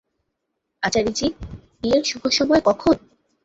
আচারি জি, বিয়ের শুভ সময় কখন?